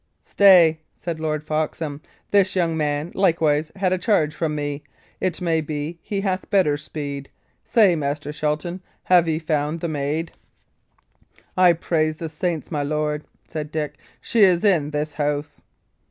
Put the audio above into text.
"Stay!" said Lord Foxham. "This young man likewise had a charge from me. It may be he hath better sped. Say, Master Shelton, have ye found the maid?" "I praise the saints, my lord," said Dick, "she is in this house."